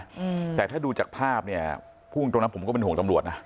อืมแต่ถ้าดูจากภาพเนี้ยพูดจริงตรงนั้นผมก็เป็นห่วงตำรวจนะ